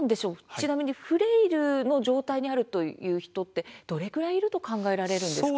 ちなみにフレイルの状態にあるという人ってどれくらいいると考えられるんですか？